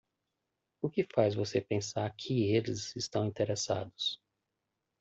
O que faz você pensar que eles estão interessados??